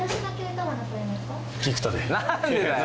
何でだよ！